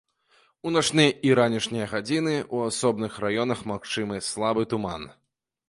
У начныя і ранішнія гадзіны ў асобных раёнах магчымы слабы туман.